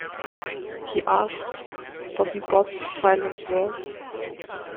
He asks, Wasn't God's silence worse?